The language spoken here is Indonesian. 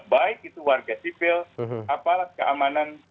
baik itu warga sipil aparat keamanan